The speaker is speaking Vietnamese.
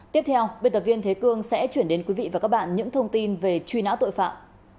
tiếp theo biên tập viên thế cương sẽ chuyển đến quý vị và các bạn những thông tin về truy nã tội phạm